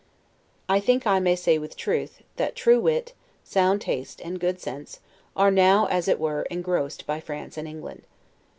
I think I may say, with truth; that true wit, sound taste, and good sense, are now, as it were, engrossed by France and England.